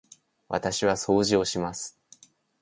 私は掃除をします。